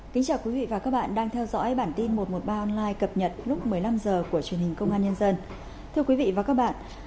chào mừng quý vị đến với bản tin một trăm một mươi ba online cập nhật lúc một mươi năm h của truyền hình công an nhân dân